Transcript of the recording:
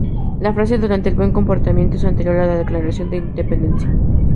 La frase "durante el buen comportamiento" es anterior a la Declaración de Independencia.